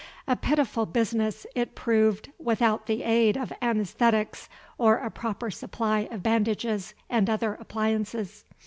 A pitiful business it proved without the aid of anæsthetics or a proper supply of bandages and other appliances.